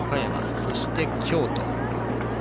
そして、京都。